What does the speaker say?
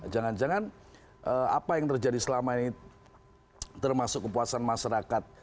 jangan jangan apa yang terjadi selama ini termasuk kepuasan masyarakat